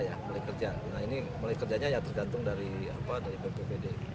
nah ini mulai kerjanya yang tergantung dari bppd